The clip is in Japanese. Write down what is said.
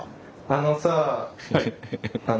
あのさあ。